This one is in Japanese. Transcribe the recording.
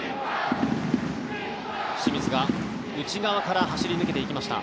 清水が内側から走り抜けていきました。